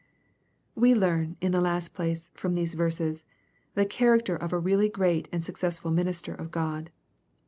We learn, in the last place, from these verses, the character of a really great and successful minister of God.